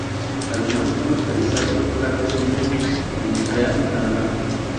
Además fue masterizado por Harris Newman en Montreal, Canadá.